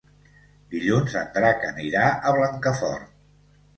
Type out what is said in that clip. Dilluns en Drac anirà a Blancafort.